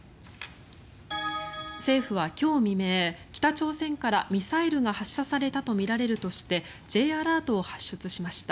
政府は今日未明、北朝鮮からミサイルが発射されたとみられるとしてＪアラートを発出しました。